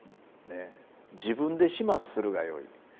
自分で始末するがよい。